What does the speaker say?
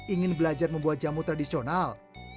ingin belajar membuat jamu tradisional